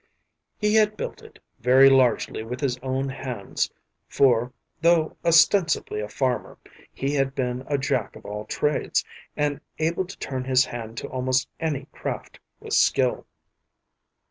He had built it very largely with his own hands, for, though ostensibly a farmer, he had been a Jack of all trades, and able to turn his hand to almost any craft with skill.